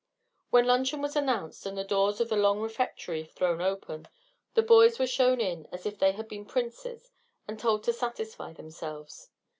When luncheon was announced and the doors of the long refectory thrown open, the boys were shown in as if they had been princes and told to satisfy themselves.